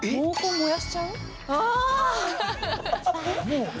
もう。